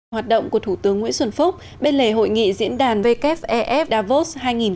hoạt động của thủ tướng nguyễn xuân phúc bên lề hội nghị diễn đàn wef davos hai nghìn một mươi chín